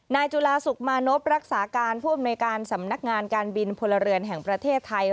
จุฬาสุขมานพรักษาการผู้อำนวยการสำนักงานการบินพลเรือนแห่งประเทศไทย